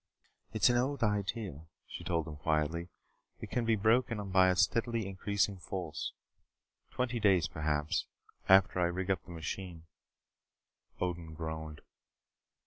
"It's an old idea," she told them quietly. "It can be broken by a steadily increasing force. Twenty days, perhaps, after I rig up the machine " Odin groaned.